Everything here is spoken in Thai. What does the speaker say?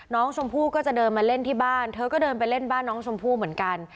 น้องชมพู่ก็จะเดินมาเล่นที่บ้านเธอก็เดินไปเล่นบ้านน้องชมพู่เหมือนกัน